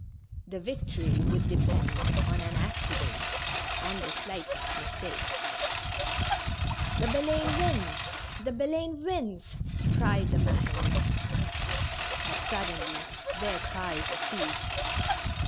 The victory would depend on an accident, on the slightest mistake. "The Baleine wins! The wins 1 " cried the Mahes. But suddenly their cries ceased.